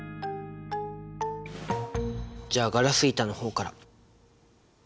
じゃあガラス板の方から。